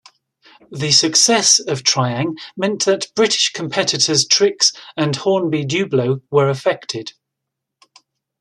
The success of Tri-ang meant that British competitors Trix and Hornby-Dublo were affected.